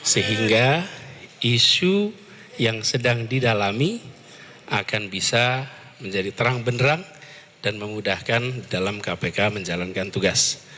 sehingga isu yang sedang didalami akan bisa menjadi terang benerang dan memudahkan dalam kpk menjalankan tugas